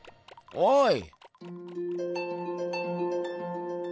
おい！